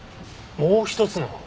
もう一つのほう？